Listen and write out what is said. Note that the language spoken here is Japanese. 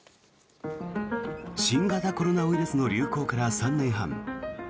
新型コロナウイルスの流行から３年半。